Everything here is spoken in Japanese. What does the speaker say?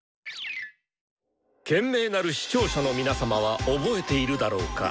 賢明なる視聴者の皆様は覚えているだろうか。